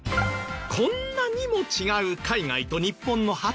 こんなにも違う海外と日本の働き方。